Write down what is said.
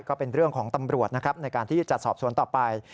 ก็เป็นเรื่องของตำรวจในการที่จัดสอบส่วนต่อไป